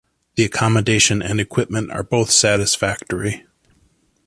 The accommodation and equipment are both satisfactory.